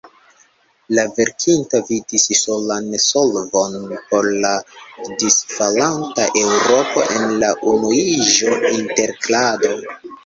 La verkinto vidis solan solvon por la disfalanta Eŭropo en la unuiĝo, integrado.